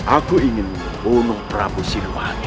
aku ingin membunuh prabu sirwan